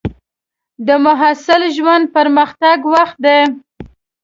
د محصل ژوند د پرمختګ وخت دی.